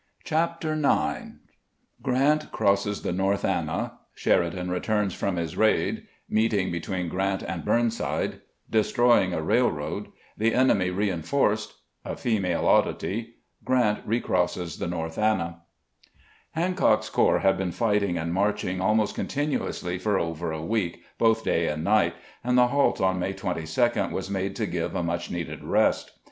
CHAPTER IX GEANT CEOSSES THE NOETH ANNA — SHEEIDAN EETUENS FEOM HIS EAID — MEETING BETWEEN GEANT AND BUENSIDE — DESTEOYING A EAILEOAD — THE ENEMY EEINFOECED — A FEMALE ODDITY — GEANT EECEOSSES THE NOETH ANNA HANCOCK'S corps had been fighting and marching almost continuously for over a week, both day and night, and the halt on May 22 was made to give a much needed rest.